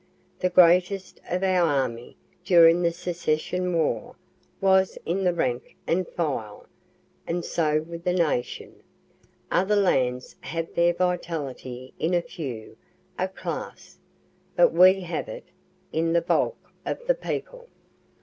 The greatness of our army during the secession war, was in the rank and file, and so with the nation. Other lands have their vitality in a few, a class, but we have it in the bulk of the people.